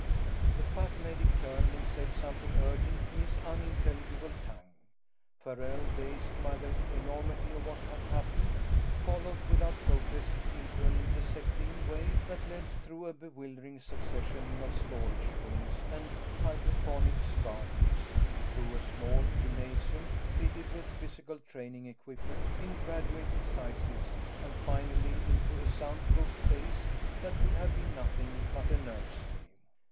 The fat medic turned and said something urgent in his unintelligible tongue. Farrell, dazed by the enormity of what had happened, followed without protest into an intersecting way that led through a bewildering succession of storage rooms and hydroponics gardens, through a small gymnasium fitted with physical training equipment in graduated sizes and finally into a soundproofed place that could have been nothing but a nursery.